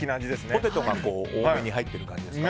ポテトが多めに入っている感じですか？